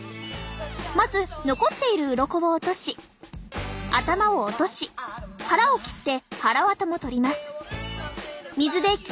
まず残っているウロコを落とし頭を落とし腹を切ってはらわたも取ります。